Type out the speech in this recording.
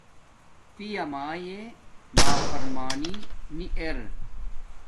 پیامایے نافرمانی نی ارا